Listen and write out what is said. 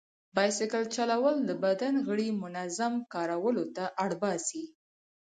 بایسکل چلول د بدن غړي منظم کار کولو ته اړ باسي.